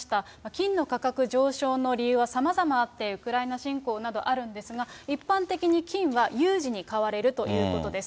金の価格上昇の理由はさまざまあって、ウクライナ侵攻などあるんですが、一般的に金は有事に買われるということです。